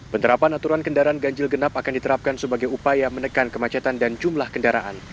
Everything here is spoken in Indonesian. penerapan aturan kendaraan ganjil genap akan diterapkan sebagai upaya menekan kemacetan dan jumlah kendaraan